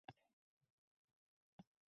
Ko‘p narsalarni bilmas ekan